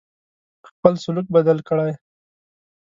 خپل سلوک بدل کړی.